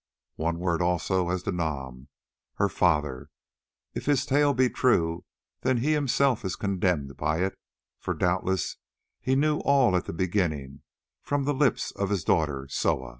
One word also as to Nam, her father; if his tale be true, then he himself is condemned by it, for doubtless he knew all at the beginning, from the lips of his daughter Soa.